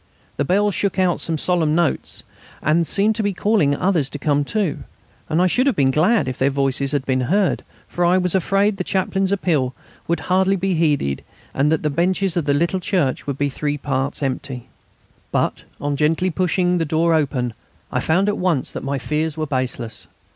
The bells shook out their solemn notes, and seemed to be calling others to come too; and I should have been glad if their voices had been heard, for I was afraid the Chaplain's appeal would hardly be heeded and that the benches of the little church would be three parts empty. But on gently pushing the door open I found at once that my fears were baseless.